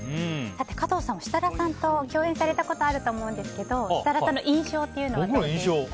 加藤さんは設楽さんと共演されたことあると思うんですけど設楽さんの印象っていうのはいかがですか？